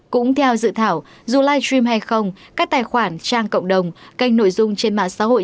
cũng theo dự thảo dù live stream hay không các tài khoản trang cộng đồng kênh nội dung trên mạng xã hội